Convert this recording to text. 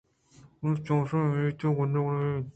بلئے چوشیں اُمیتے گندگ نہ بیت